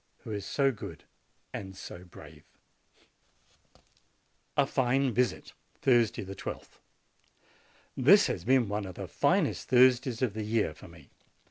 who is so good and so brave ! A FINE VISIT Thursday, I2th. This has been one of the finest Thursdays of the year for me.